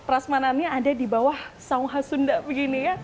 rasmanannya ada di bawah saungha sunda begini ya